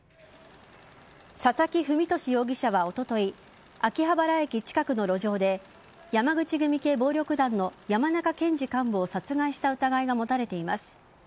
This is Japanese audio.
佐々木文俊容疑者はおととい秋葉原駅近くの路上で山口組系暴力団の山中健司幹部を殺害した疑いが持たれています。